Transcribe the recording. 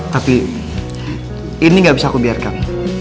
tapi ini gak bisa aku biarkan